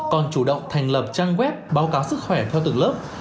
còn chủ động thành lập trang web báo cáo sức khỏe theo từng lớp